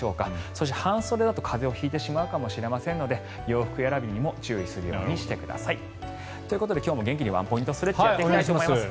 そして、半袖だと風邪を引いてしまうかもしれませんので洋服選びにも注意するようにしてください。ということで今日も元気にワンポイントストレッチやっていきたいと思います。